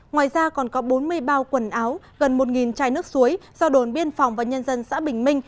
ngoài ra còn có bốn mươi bao quần áo gần một chai nước suối do đồn biên phòng và nhân dân xã bình minh